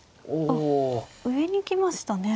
あっ上に行きましたね。